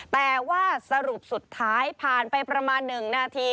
แต่ว่าสรุปสุดท้ายผ่านไปประมาณ๑นาที